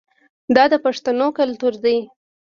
دا د پښتنو کلتور دی.